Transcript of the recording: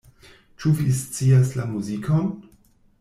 Ĉu vi scias la muzikon?